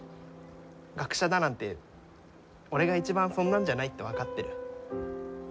学者だなんて俺が一番そんなんじゃないって分かってる。